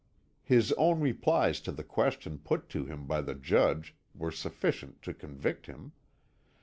His own replies to the questions put to him by the judge were sufficient to convict him.